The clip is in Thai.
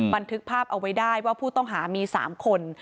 บันทึกภาพเอาไว้ได้ว่าผู้ต้องหามี๓คน